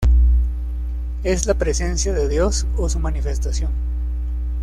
שכינה Es la ‘presencia de Dios’ o su manifestación.